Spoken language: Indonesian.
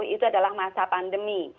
itu adalah masa pandemi